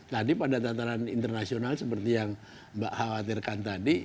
tadi pada tataran internasional seperti yang mbak khawatirkan tadi